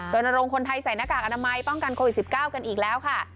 รณรงค์คนไทยใส่หน้ากากอนามัยป้องกันโควิด๑๙กันอีกแล้วค่ะ